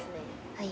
はい。